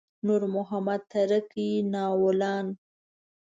نور محمد تره کي ناولان.